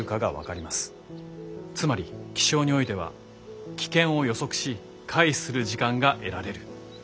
つまり気象においては危険を予測し回避する時間が得られる。